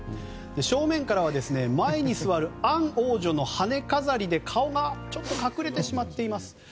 正面からは前に座るアン王女の羽飾りで顔がちょっと隠れてしまっています。